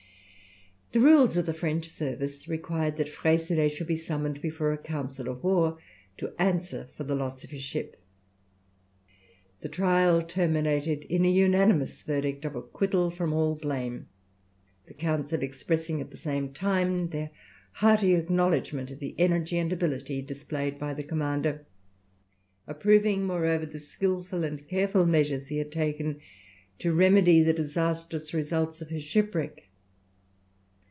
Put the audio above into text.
The rules of the French service required that Freycinet should be summoned before a council of war to answer for the loss of his ship. The trial terminated in a unanimous verdict of acquittal from all blame, the council expressing at the same time their hearty acknowledgment of the energy and ability displayed by the commander, approving, moreover, the skilful and careful measures he had taken to remedy the disastrous results of his shipwreck.